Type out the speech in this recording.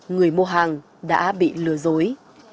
người mua hàng đã bị lừa dối